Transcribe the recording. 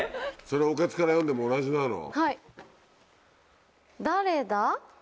それをおケツから読んでも同じなの？